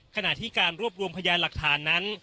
ขณะที่การรวบรวมพยานหลักฐานนั้น